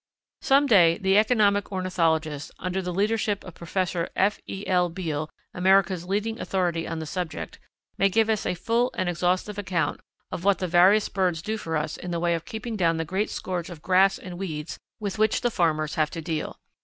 Some day the economic ornithologists under the leadership of Professor F. E. L. Beal, America's leading authority on the subject, may give us a full and exhaustive account of what the various birds do for us in the way of keeping down the great scourge of grass and weeds with which the farmers have to deal.